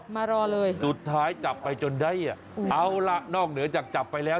มารอเลยสุดท้ายจับไปจนได้อ่ะเอาล่ะนอกเหนือจากจับไปแล้ว